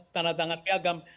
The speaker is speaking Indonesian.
tanda tangan piagam